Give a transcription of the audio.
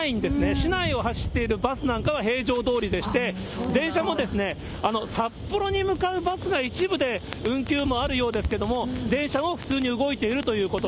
市内を走っているバスなんかは正常どおりでして、電車も札幌に向かうバスが一部で運休もあるようですけど、電車も普通に動いているということ。